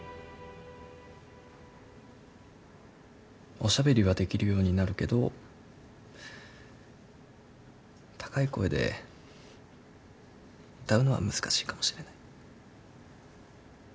おしゃべりはできるようになるけど高い声で歌うのは難しいかもしれない。